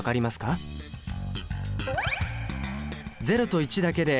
０と１だけで。